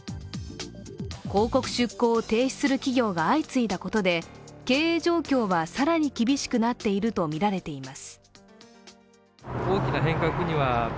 広告出稿を停止する企業が相次いだことで、経営状況は更に厳しくなっているとみられています。